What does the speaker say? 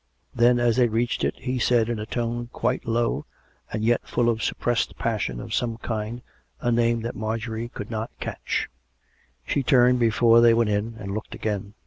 Then as they reached it, he said, in a tone quite low and yet full of suppressed passion of some kind, a name that Marjorie could not catch. She turned before they went in, and looked again.